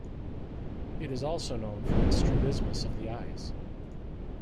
It is also known for its strabismus of the eyes.